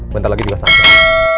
bentar lagi juga sampai